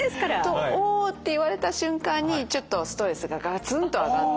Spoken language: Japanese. と「おお」って言われた瞬間にちょっとストレスがガツンと上がって。